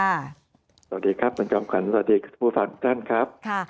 สวัสดีครับคุณจำขวัญสวัสดีครับผู้ฝากด้านครับ